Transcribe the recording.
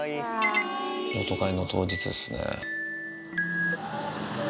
譲渡会の当日ですね。